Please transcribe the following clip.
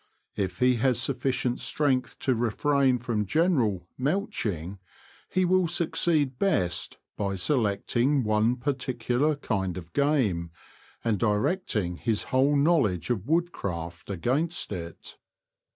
If he has sufficient strength to refrain from general *' mouching," he will succeed best by selecting one particular kind of game, and directing his whole knowledge of woodcraft against it.